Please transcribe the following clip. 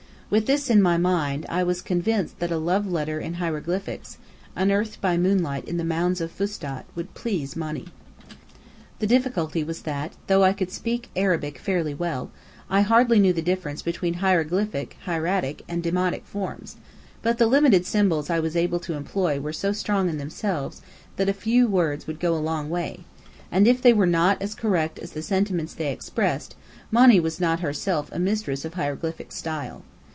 With this in my mind, I was convinced that a love letter in hieroglyphics, unearthed by moonlight in the mounds of Fustat, would please Monny. The difficulty was that, though I could speak Arabic fairly well, I hardly knew the difference between hieroglyphic, hieratic and demotic forms; but the limited symbols I was able to employ were so strong in themselves that a few would go a long way: and if they were not as correct as the sentiments they expressed, Monny was not herself a mistress of hieroglyphic style.